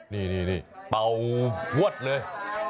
นี่เป่าพวดเลย